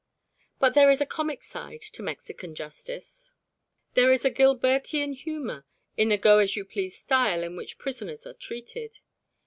But there is a comic side to Mexican justice. There is a Gilbertian humour in the go as you please style in which prisoners are treated.